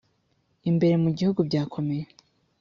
imbere mu gihugu byakomeye